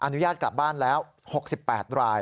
อนุญาตกลับบ้านแล้ว๖๘ราย